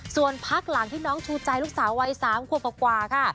ส่วนพักหลังที่น้องชูใจลูกสาววัย๓ขวบกว่าค่ะ